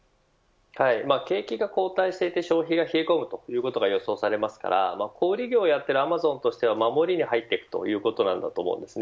景気が後退して、消費が冷え込むということが予想されますから小売り業をやってるアマゾンとしては守りに入っているということだと思います。